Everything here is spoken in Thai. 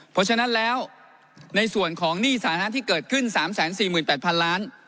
เพราะฉะนั้นแล้วในส่วนของหนี้สาธารณะที่เกิดขึ้น๓๔๘๐๐๐ล้าน